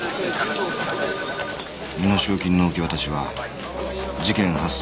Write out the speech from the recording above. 身代金の受け渡しは事件発生